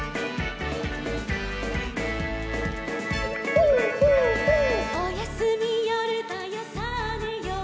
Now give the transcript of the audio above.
「ホーホーホー」「おやすみよるだよさあねよう」